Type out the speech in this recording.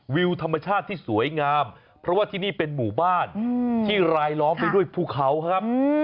วิวธรรมชาติที่สวยงามเพราะว่าที่นี่เป็นหมู่บ้านที่รายล้อมไปด้วยภูเขาครับ